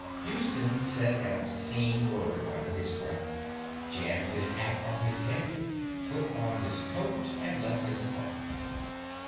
Houston said an obscene word under his breath, jammed his hat on his head, put on his coat, and left his apartment.